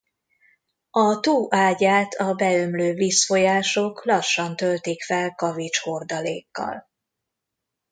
A tó ágyát a beömlő vízfolyások lassan töltik fel kavics-hordalékkal.